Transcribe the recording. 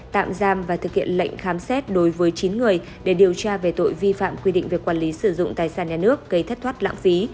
tạm giam và thực hiện lệnh khám xét đối với chín người để điều tra về tội vi phạm quy định về quản lý sử dụng tài sản nhà nước gây thất thoát lãng phí